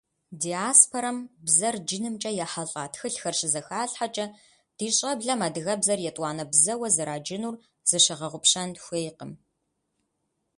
Диаспорэм бзэр джынымкӀэ ехьэлӀа тхылъхэр щызэхалъхьэкӀэ, ди щӀэблэм адыгэбзэр етӀуанэ бзэуэ зэраджынур зыщыгъэгъупщэн хуейкъым.